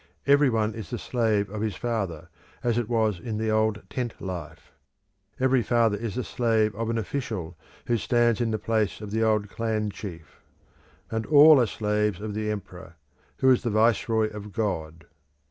Every one is the slave of his father, as it was in the old tent life; every father is the slave of an official who stands in the place of the old clan chief; and all are slaves of the emperor, who is the viceroy of God.